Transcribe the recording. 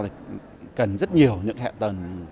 thì cần rất nhiều những hẹn tần phát triển